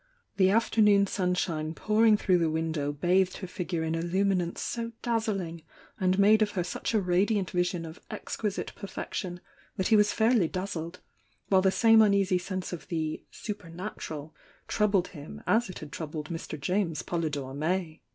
The afternoon sunshine pouring through the win dow bathed her figure in a luminance so dazzling and made of her such a radiant vision of exquisite perfection that he was fairly dazzled, while the same uneasy sense of the "supernatural" troubled him as it had troubled Mr. James Polydore May.